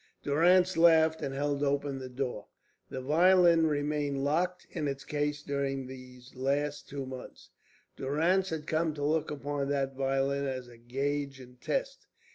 Durrance laughed and held open the door. The violin had remained locked in its case during these last two months. Durrance had come to look upon that violin as a gauge and test.